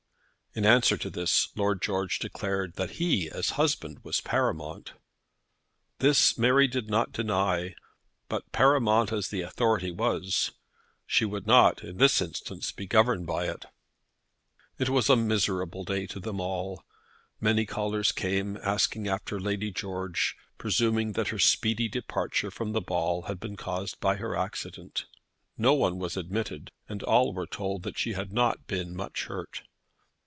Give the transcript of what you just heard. In answer to this, Lord George declared that he, as husband, was paramount. This Mary did not deny, but, paramount as the authority was, she would not, in this instance, be governed by it. It was a miserable day to them all. Many callers came, asking after Lady George, presuming that her speedy departure from the ball had been caused by her accident. No one was admitted, and all were told that she had not been much hurt.